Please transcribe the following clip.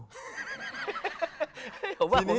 ผมว่าผมดีนะ